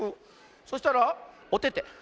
そしたらおてて。